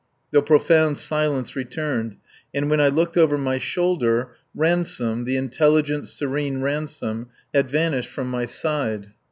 The profound silence returned, and when I looked over my shoulder, Ransome the intelligent, serene Ransome had vanished from my side.